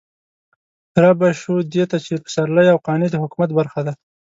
رابه شو دې ته چې پسرلي او قانع د حکومت برخه ده.